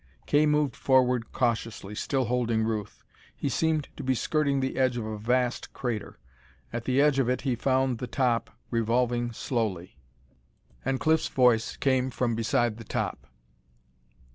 Kay moved forward cautiously, still holding Ruth. He seemed to be skirting the edge of a vast crater. At the edge of it he found the top, revolving slowly. And Cliff's voice came from beside the top.